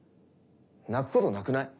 泣くことなくない？